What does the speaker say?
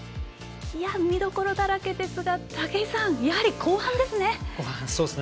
見どころだらけですがやはり後半ですね。